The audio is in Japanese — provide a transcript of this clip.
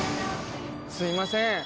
すみません。